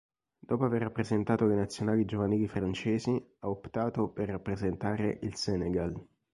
Dopo aver rappresentato le nazionali giovanili francesi, ha optato per rappresentare il Senegal.